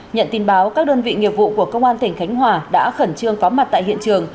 nhận tin báo các đơn vị nghiệp vụ của công an tỉnh khánh hòa đã khẩn trương có mặt tại hiện trường